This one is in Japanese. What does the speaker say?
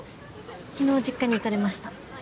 昨日実家に行かれました。